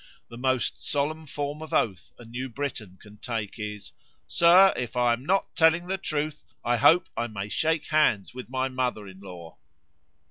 The most solemn form of oath a New Briton can take is, "Sir, if I am not telling the truth, I hope I may shake hands with my mother in law."